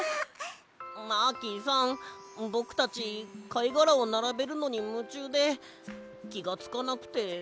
マーキーさんぼくたちかいがらをならべるのにむちゅうできがつかなくて。